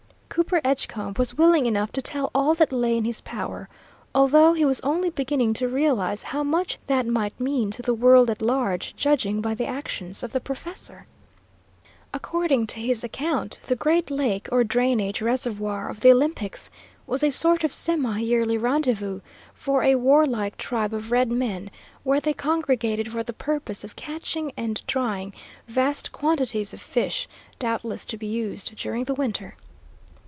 Cooper Edgecombe was willing enough to tell all that lay in his power, although he was only beginning to realise how much that might mean to the world at large, judging by the actions of the professor. According to his account, the great lake, or drainage reservoir of the Olympics, was a sort of semi yearly rendezvous for a warlike tribe of red men, where they congregated for the purpose of catching and drying vast quantities of fish, doubtless to be used during the winter.